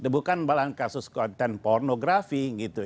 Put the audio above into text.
bukan dalam kasus konten pornografi gitu